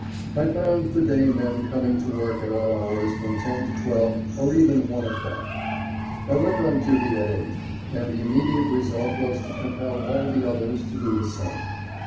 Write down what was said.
I found the day men coming to work at all hours from ten to twelve or even one o'clock. I went on duty at eight, and the immediate result was to compel all the others to do the same.